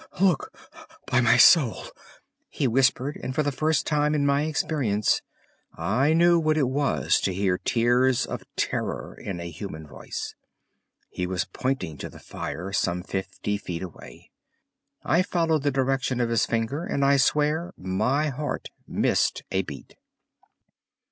"Look! By my soul!" he whispered, and for the first time in my experience I knew what it was to hear tears of terror in a human voice. He was pointing to the fire, some fifty feet away. I followed the direction of his finger, and I swear my heart missed a beat.